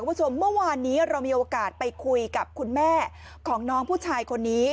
คุณผู้ชมเมื่อวานนี้เรามีโอกาสไปคุยกับคุณแม่ของน้องผู้ชายคนนี้